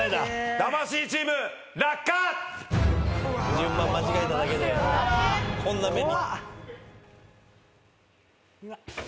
順番間違えただけでこんな目に。